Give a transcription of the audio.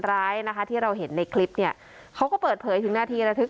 ร้ายนะคะที่เราเห็นในคลิปเนี่ยเขาก็เปิดเผยถึงนาทีระทึก